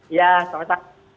iya selamat pagi